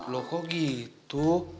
loh kok gitu